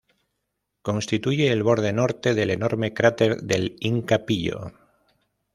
Constituye el borde norte del enorme cráter del Inca Pillo.